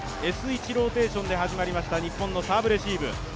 Ｓ１ローテーションで始まりました日本のサーブレシーブ。